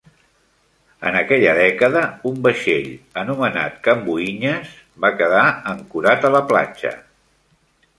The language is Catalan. En aquella dècada, un vaixell anomenat "Camboinhas" va quedar ancorat a la platja.